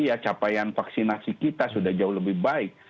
ya capaian vaksinasi kita sudah jauh lebih baik